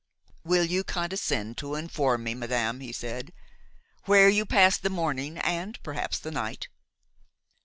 "Will you condescend to inform me, madame," he said, "where you passed the morning and perhaps the night?"